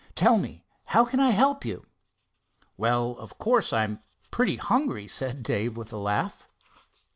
Tell me, how can I help you?" "Well, of course I'm pretty hungry," said Dave with a laugh.